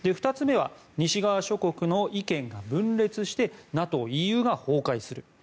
２つめは西側諸国の意見が分裂してＮＡＴＯ、ＥＵが崩壊する。